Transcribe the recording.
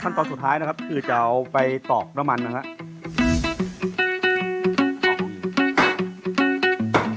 ตอนสุดท้ายนะครับคือจะเอาไปตอกน้ำมันนะครับ